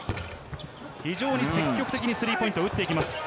非常に積極的にスリーポイントを打っていきます。